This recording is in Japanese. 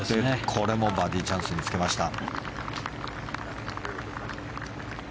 これもバーディーチャンスにつけました。